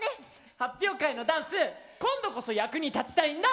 発表会のダンス今度こそ役に立ちたいんだ！